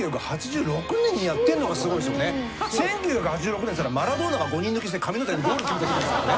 １９８６年っていったらマラドーナが５人抜きして神の手でゴール決めた時ですからね。